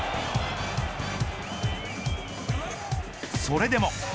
それでも。